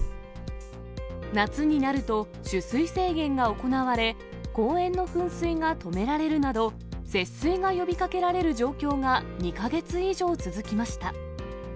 夏になると取水制限が行われ、公園の噴水が止められるなど、節水が呼びかけられる状況が２か月以上続きました。